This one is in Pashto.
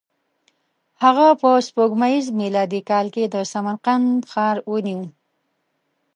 هغه په سپوږمیز میلادي کال کې د سمرقند ښار ونیو.